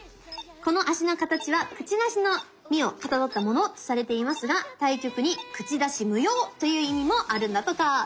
この脚の形はクチナシの実をかたどったものとされていますが「対局に口出し無用」という意味もあるんだとか！